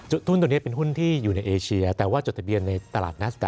ทุนตัวนี้เป็นหุ้นที่อยู่ในเอเชียแต่ว่าจดทะเบียนในตลาดนัด